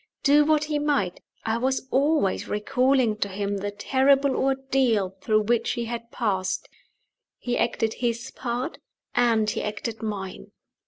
Do what he might, I was always recalling to him the terrible ordeal through which he had passed. He acted his part, and he acted mine.